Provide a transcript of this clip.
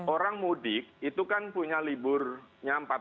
orang mudik itu kan punya liburnya empat belas hari ke depan